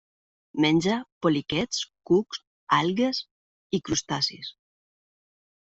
Menja poliquets, cucs, algues i crustacis.